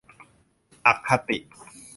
อคติ !